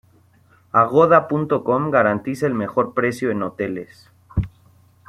Agoda.com garantiza el mejor precio en hoteles.